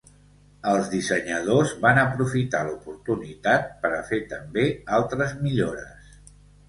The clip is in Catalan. Els dissenyadors van aprofitar l'oportunitat per a fer també altres millores.